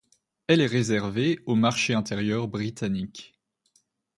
Elle est réservée au marché intérieur britannique.